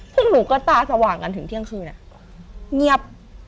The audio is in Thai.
พวกหนูก็ตาสว่างกันถึงเที่ยงคืนเงียบ